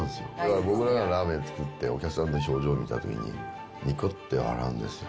僕らがラーメン作って、お客さんの表情見たときに、にこっと笑うんですよ。